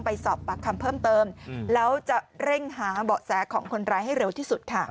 ไปสอบปากคำเพิ่มเติมแล้วจะเร่งหาเบาะแสของคนร้ายให้เร็วที่สุดค่ะ